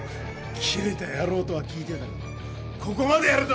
キレた野郎とは聞いてたがここまでやるとはな。